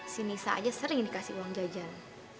si nisa aja sering dikasih uang jajan